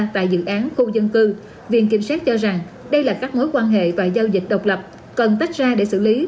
tại dự án khu dân cư viện kiểm sát cho rằng đây là các mối quan hệ và giao dịch độc lập cần tách ra để xử lý